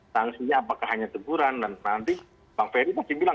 sanksinya apakah hanya teguran dan nanti bang ferry masih bilang